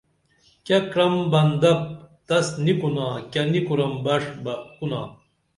کیہ کرم بندپ تس نی کُنا نی کُرن بݜ بہ کُنا